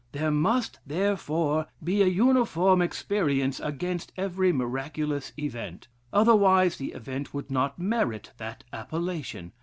There must, therefore, be an uniform experience against every miraculous event, otherwise the event would not merit that appellation.